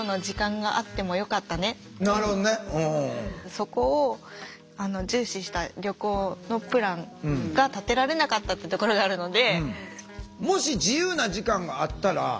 そこを重視した旅行のプランが立てられなかったってところがあるので。